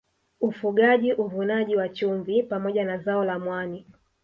Ufugaji Uvunaji wa chumvi pamoja na zao la mwani